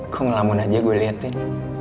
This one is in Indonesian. kok ngelamun aja gue liat tin